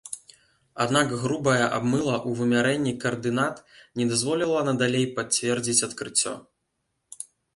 Аднак грубая абмыла ў вымярэнні каардынат не дазволіла надалей пацвердзіць адкрыццё.